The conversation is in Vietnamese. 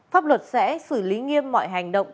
pháp luật sẽ xử lý nghiêm mọi hành động